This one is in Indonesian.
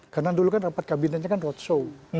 karena dulu kan rapat kabinetnya kan roadshow